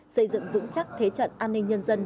xây dựng vững chắc thế trận an ninh nhân dân